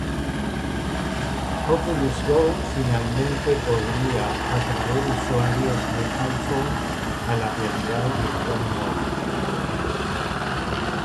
Oculus Go finalmente podría atraer usuarios de iPhone a la realidad virtual móvil.